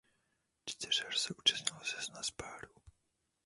Čtyřher se účastnilo šestnáct párů.